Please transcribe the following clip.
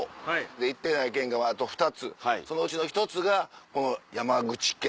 行ってない県があと２つそのうちの１つがこの山口県。